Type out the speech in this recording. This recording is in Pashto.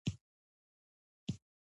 آیا چرمي جاکټونه جوړیږي؟